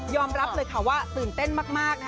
รับเลยค่ะว่าตื่นเต้นมาก